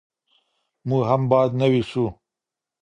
موږ هم باید نوي سو.